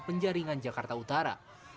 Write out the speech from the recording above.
pejaringan jakarta utara